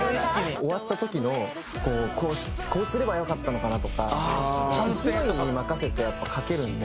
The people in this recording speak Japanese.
終わった時のこうすればよかったのかなとか勢いに任せてやっぱ書けるんで。